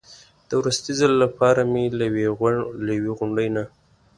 د وروستي ځل لپاره مې له یوې غونډۍ نه.